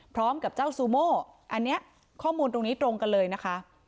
พร้อมกับเจ้าซูโม่อันนี้ข้อมูลตรงนี้ตรงกันเลยนะคะ